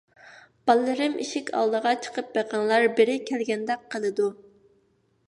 بالىلىرىم، ئىشىك ئالدىغا چىقىپ بېقىڭلار، بىرى كەلگەندەك قىلىدۇ.